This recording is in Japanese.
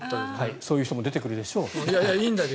そういう人も出てくるでしょう。